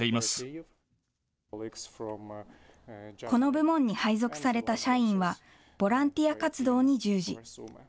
この部門に配属された社員はボランティア活動に従事。